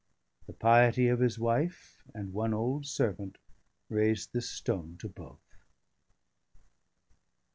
______ THE PIETY OF HIS WIFE AND ONE OLD SERVANT RAISED THIS STONE TO BOTH.